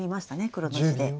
黒の地で。